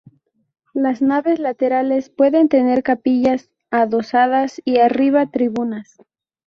Las naves laterales pueden tener capillas adosadas y arriba, tribunas.